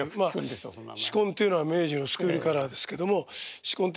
紫紺っていうのは明治のスクールカラーですけども紫紺亭